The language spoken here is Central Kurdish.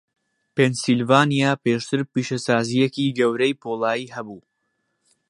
پێنسیلڤانیا پێشتر پیشەسازییەکی گەورەی پۆڵای هەبوو.